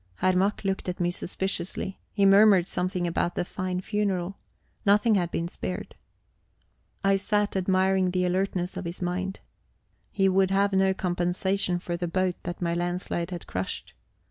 Herr Mack looked at me suspiciously. He murmured something about the fine funeral. Nothing had been spared. I sat admiring the alertness of his mind. He would have no compensation for the boat that my landslide had crushed.